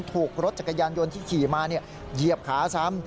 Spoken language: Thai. ถูกรถจักรยานยนต์ที่ขี่มาเหยียบขาซ้ำ